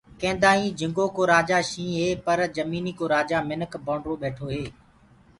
ڪينٚدآئينٚ جھنٚگو ڪو رآجآ شيٚهنٚ هي پر جميٚنيٚ ڪو رآجآ منک بڻرو ٻيٺو هي